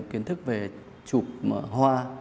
kiến thức về chụp hoa